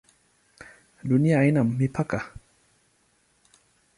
Dunia haina mipaka?